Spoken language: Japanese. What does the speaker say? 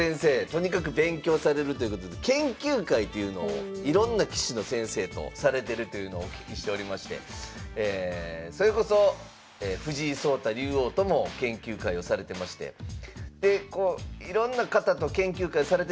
とにかく勉強されるということで研究会というのをいろんな棋士の先生とされてるというのをお聞きしておりましてそれこそ藤井聡太竜王とも研究会をされてましてでこういろんな方と研究会されてる中